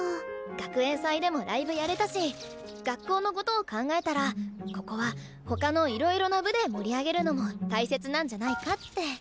学園祭でもライブやれたし学校のことを考えたらここは他のいろいろな部で盛り上げるのも大切なんじゃないかって。